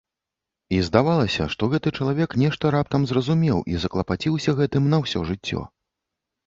І здавалася, што гэты чалавек нешта раптам зразумеў і заклапаціўся гэтым на ўсё жыццё.